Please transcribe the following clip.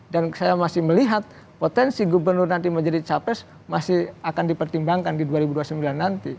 dan saya masih melihat potensi gubernur nanti menjadi capres masih akan dipertimbangkan di dua duanya